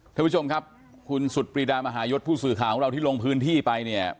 ท่านผู้ชมครับคุณสุดปรีดามหายศผู้สื่อข่าวของเราที่ลงพื้นที่ไปเนี่ย